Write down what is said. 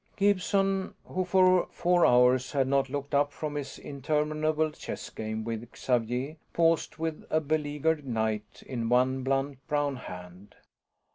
Gibson, who for four hours had not looked up from his interminable chess game with Xavier, paused with a beleaguered knight in one blunt brown hand.